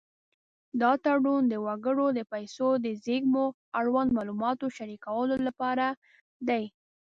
دا تړون د وګړو د پیسو د زېرمو اړوند معلومات شریکولو لپاره دی.